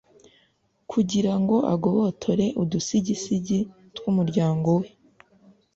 kugira ngo agobotore udusigisigi tw’umuryango we,